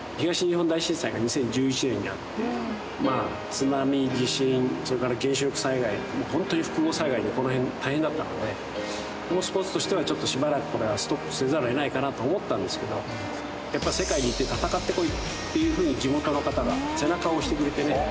津波地震それから原子力災害ホントに複合災害でこの辺大変だったのでもうスポーツとしてはちょっとしばらくこれはストップせざるを得ないかなと思ったんですけどやっぱ世界に行って戦ってこいっていうふうに地元の方が背中を押してくれてね。